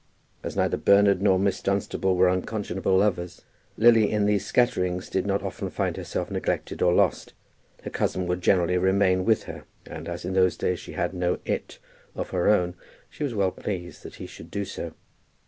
As neither Bernard nor Miss Dunstable were unconscionable lovers, Lily in these scatterings did not often find herself neglected or lost. Her cousin would generally remain with her, and as in those days she had no "it" of her own she was well pleased that he should do so.